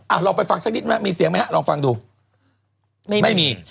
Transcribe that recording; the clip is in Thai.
อ่ะเราไปฟังสักนิดหน่อยมีเสียงไหมฮะลองฟังดูไม่มีไม่มี